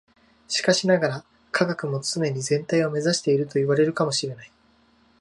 しかしながら、科学も常に全体を目指しているといわれるかも知れない。